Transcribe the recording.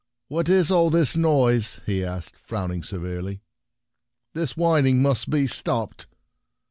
"What is all this noise?" he asked, frowning severely. "This whining must be stopped